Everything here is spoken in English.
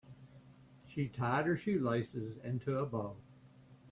She tied her shoelaces into a bow.